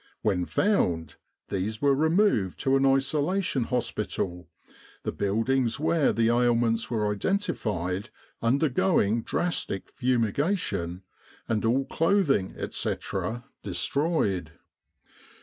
When found, these were removed to an isolation hos pital, the buildings where the ailments were identified undergoing drastic fumigation, and all clothing, etc., destroyed.